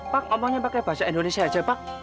pak omongnya pakai bahasa indonesia aja pak